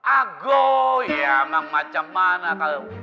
ago ya emang macam mana kalau